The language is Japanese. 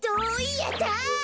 やった！